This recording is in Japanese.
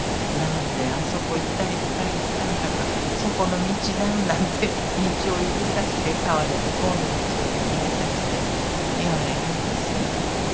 何べんあそこ行ったり来たりしたんだかそこの道だなんて道を指さして川の向こうの道を指さして言われるんですよ。